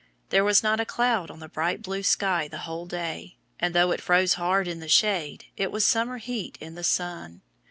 There was not a cloud on the bright blue sky the whole day, and though it froze hard in the shade, it was summer heat in the sun.